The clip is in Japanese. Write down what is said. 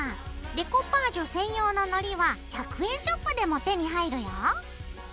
デコパージュ専用ののりは１００円ショップでも手に入るよ。